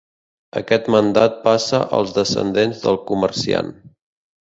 Aquest mandat passa als descendents del comerciant.